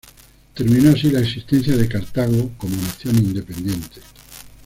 Terminó así la existencia de Cartago como nación independiente.